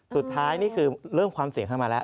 สุดท้ายนี่คือเริ่มความเสี่ยงเข้ามาแล้ว